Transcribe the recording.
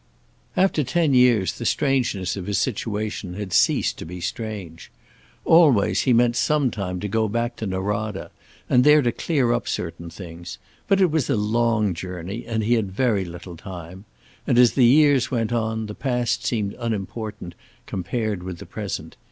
After ten years the strangeness of his situation had ceased to be strange. Always he meant some time to go back to Norada, and there to clear up certain things, but it was a long journey, and he had very little time. And, as the years went on, the past seemed unimportant compared with the present.